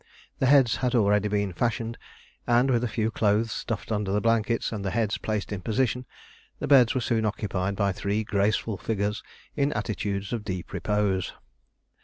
The heads had already been fashioned, and, with a few clothes stuffed under the blankets and the heads placed in position, the beds were soon occupied by three graceful figures in attitudes of deep repose.